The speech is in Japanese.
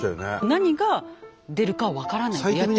何が出るかは分からないって。